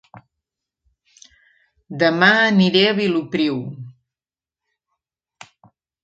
Dema aniré a Vilopriu